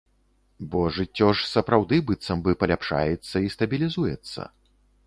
Бо жыццё ж сапраўды быццам бы паляпшаецца і стабілізуецца.